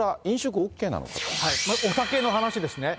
まず、お酒の話ですね。